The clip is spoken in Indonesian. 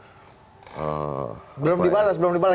belum dibalas belum dibalas